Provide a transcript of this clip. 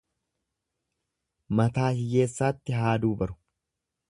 Mataa hiyyeessaatti haaduu baru.